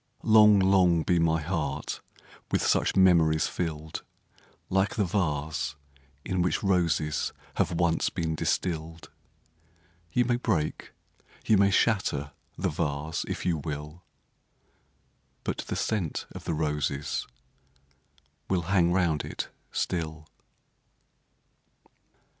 Long, long be my heart with such memories fill'd ! Like the vase, in which roses have once been distill'd — You may break, you may shatter the vase if you will, But the scent of the roses will hang round it still.